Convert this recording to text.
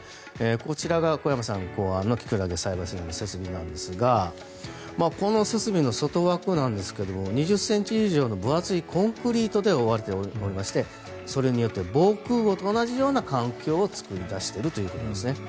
こちらが小山さん考案のキクラゲ栽培の設備ですがこの設備の外枠なんですが２０ｃｍ以上の分厚いコンクリートで覆われていましてそれによって防空壕と同じような環境を作り出しているということです。